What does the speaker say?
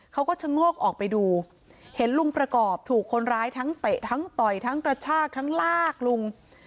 เขาก็ชะโงกออกไปดูเห็นลุงประกอบถูกคนร้ายทั้งเตะทั้งต่อยทั้งกระชากทั้งลากลุง